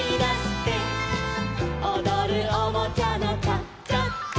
「おどるおもちゃのチャチャチャ」